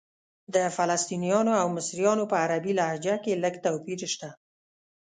د فلسطنیانو او مصریانو په عربي لهجه کې لږ توپیر شته.